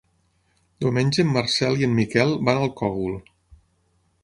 Diumenge en Marcel i en Miquel van al Cogul.